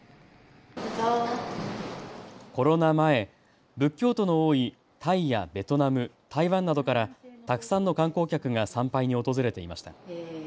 コロナ前、仏教徒の多いタイやベトナム、台湾などからたくさんの観光客が参拝に訪れていました。